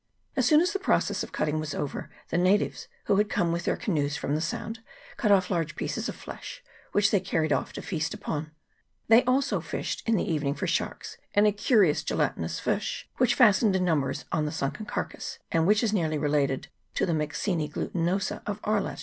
As soon as the process of cutting was over, the natives, who had come with their canoes from the Sound, cut off large pieces of the flesh, which they carried off to feast upon. They also fished in the evening for sharks, and a curious gelatinous fish, which fastened in numbers on the sunken carcase, E 2 52 WHALES AND WHALERS. [PART I.